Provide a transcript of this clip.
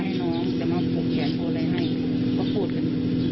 เดี๋ยวพอมันออกข่าวมานี่เขาก็ยิ่ง